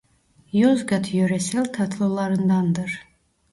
Yozgat yöresel tatlılarındandır.